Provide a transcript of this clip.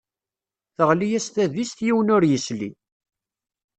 Teɣli-as tadist, yiwen ur yesli.